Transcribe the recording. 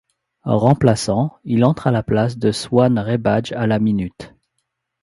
Remplaçant, il entre à la place de Swan Rebbadj à la minute.